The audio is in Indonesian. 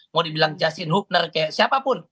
mau dibilang jasin hoepner kayak siapapun